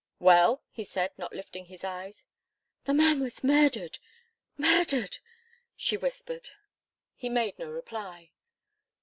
"Well?" he said, not lifting his eyes. "The man was murdered murdered!" she whispered. He made no reply.